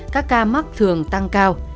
các ca mắc thường tăng cao